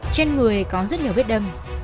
trên người có rất nhiều vết đâm